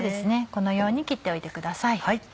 このように切っておいてください。